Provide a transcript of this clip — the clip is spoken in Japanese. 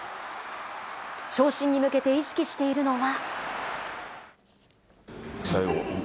昇進に向けて、意識しているのは。